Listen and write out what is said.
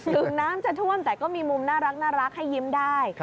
ถึงน้ำจะท่วมแต่ก็มีมุมน่ารักให้ยิ้มได้